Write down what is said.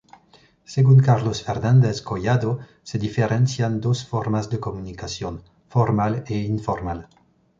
Según Carlos Fernández Collado, se diferencian dos formas de comunicación: formal e informal.